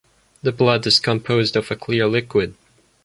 The blood is composed of a clear liquid.